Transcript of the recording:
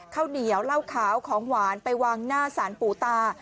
ข้าวเหนียวเหล้าขาวของหวานไปวางหน้าสารปู่ตา